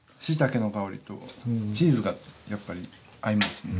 椎茸の香りとチーズがやっぱり合います。